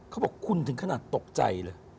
เขาบอกคุณถึงขนาดตกใจเลย